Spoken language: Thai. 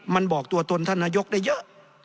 มันบอกตัวตนท่านนายกได้เยอะ